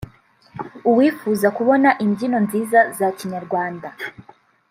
uwifuza kubona imbyino nziza za Kinyarwanda